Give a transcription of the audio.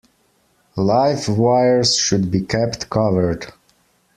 Live wires should be kept covered.